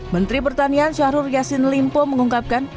menteri pertanian syahrul yassin limpo mengungkapkan